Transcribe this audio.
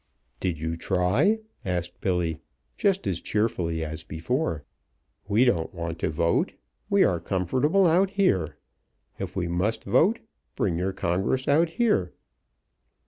"Did you try?" asked Billy, just as cheerfully as before. "We don't want to vote. We are comfortable out here. If we must vote, bring your congress out here."